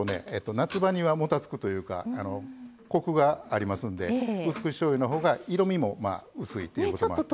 夏場にはもたつくというかコクがありますんでうす口しょうゆのほうが色みも薄いということもあって。